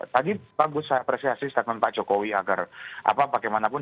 tadi bagus saya apresiasi statement pak jokowi agar bagaimanapun